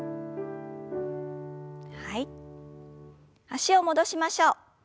脚を戻しましょう。